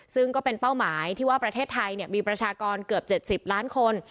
ซึ่งก็เป็นเป้าหมายที่ว่าประเทศไทยมีประชากรเกือบ๗๐ล้านคน